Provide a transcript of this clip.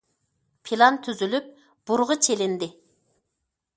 پىلان تۈزۈلۈپ، بۇرغا چېلىندى.